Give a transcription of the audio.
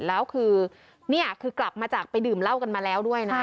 แล้วคือเนี่ยคือกลับมาจากไปดื่มเหล้ากันมาแล้วด้วยนะ